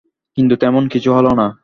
কিন্তু তেমন কিছু হল না।